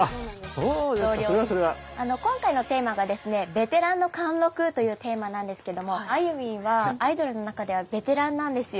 今回のテーマがですね「ベテランの貫禄」というテーマなんですけどもあゆみんはアイドルの中ではベテランなんですよ。